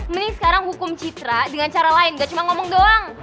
ini sekarang hukum citra dengan cara lain gak cuma ngomong doang